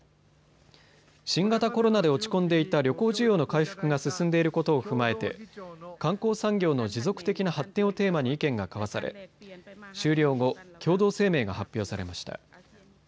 新型コロナで落ち込んでいた旅行需要の回復が進んでいることを踏まえて観光産業の持続的な発展をテーマに意見が交わされ終了後共同声明が発表されました。